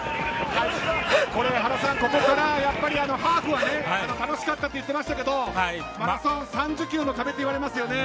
ハーフは楽しかったと言っていましたがマラソンは３０キロの壁といわれますね。